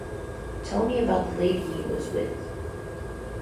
Tell me about the lady he was with.